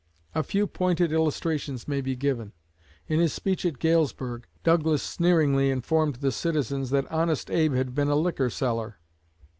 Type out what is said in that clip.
A few pointed illustrations may be given. In his speech at Galesburg, Douglas sneeringly informed the citizens that "Honest Abe" had been a liquor seller.